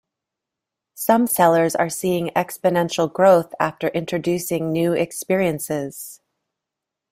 Some sellers are seeing exponential growth after introducing new experiences.